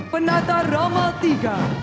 penata roma iii